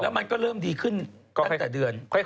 มันก็เริ่มดีขึ้นตั้งแต่เดือน